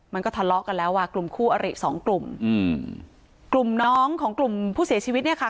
มันก็ทะเลาะกันแล้วอ่ะกลุ่มคู่อริสองกลุ่มอืมกลุ่มน้องของกลุ่มผู้เสียชีวิตเนี่ยค่ะ